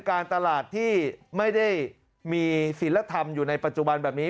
การตลาดที่ไม่ได้มีศิลธรรมอยู่ในปัจจุบันแบบนี้